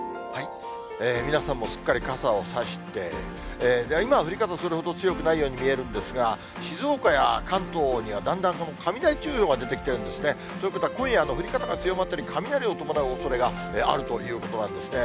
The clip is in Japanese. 皆さんもすっかりかさを差して、今、降り方、それほど強くないように見えるんですが、静岡や関東には、だんだん雷注意報が出てきているんですね。ということは、今夜の降り方が強まったり、雷を伴うおそれがあるということなんですね。